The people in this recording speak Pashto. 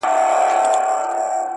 زه به دلته قتل باسم د خپلوانو٫